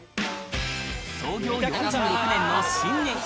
創業４６年の信年。